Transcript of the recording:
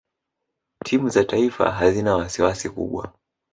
timu za taifa hazina wasiwasi kubwa